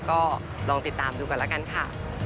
ก็ลองติดตามดูกันแล้วกันค่ะ